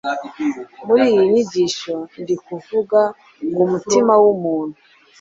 Muri iyi nyigisho, ndi kuvuga ku mutima w’umuntu,